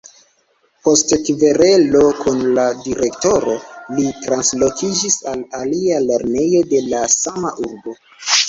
Post kverelo kun la direktoro, li translokiĝis al alia lernejo de la sama urbo.